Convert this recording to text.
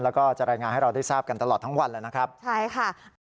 แล้วก็จะรายงานให้เราได้ทราบกันตลอดทั้งวันแล้วนะครับใช่ค่ะ